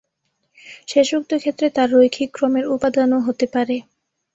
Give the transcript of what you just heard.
শেষোক্ত ক্ষেত্রে তা "রৈখিক ক্রমের উপাদান"ও হতে পারে।